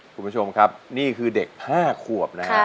คุณผู้ชมครับนี่คือเด็ก๕ขวบนะฮะ